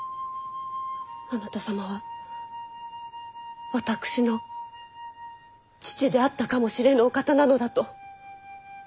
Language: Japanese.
あなた様は私の父であったかもしれぬお方なのだと。